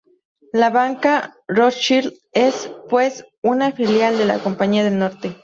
La banca Rothschild es, pues, una filial de la "Compañía del Norte".